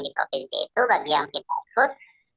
di provinsi itu bagi yang kita ikut